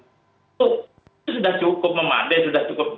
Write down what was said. itu sudah cukup memadai sudah cukup